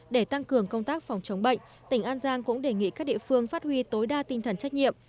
để tăng cường công tác phòng chống bệnh tỉnh an giang cũng đề nghị các địa phương phát huy tối đa tinh thần trách nhiệm